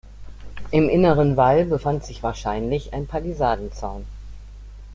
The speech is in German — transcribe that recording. Im inneren Wall befand sich wahrscheinlich ein Palisadenzaun.